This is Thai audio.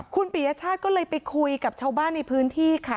คุณปียชาติก็เลยไปคุยกับชาวบ้านในพื้นที่ค่ะ